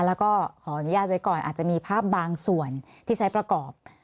แล้วก็ขออนุญาตไว้ก่อนอาจจะมีภาพบางส่วนที่ใช้ประกอบ